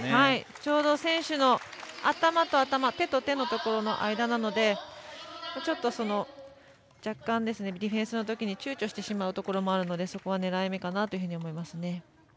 ちょうど選手の頭と頭手と手の間なので若干ディフェンスのときにちゅうちょしてしまうことがあるのでそこは狙い目かなと思います。